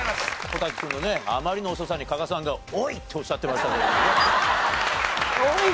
小瀧君のねあまりの遅さに加賀さんが「おい！」とおっしゃってましたけどもね。